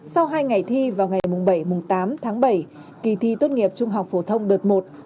sau hai ngày thi vào ngày bảy tám tháng bảy kỳ thi tốt nghiệp trung học phổ thông đợt một